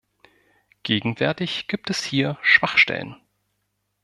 Gegenwärtig gibt es hier Schwachstellen.